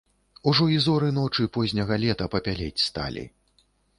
Ужо і зоры ночы позняга лета папялець сталі.